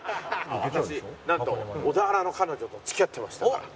私なんと小田原の彼女と付き合ってましたから。